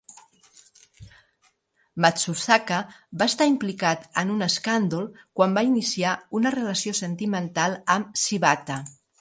Matsuzaka va estar implicat en un escàndol quan va iniciar una relació sentimental amb Shibata.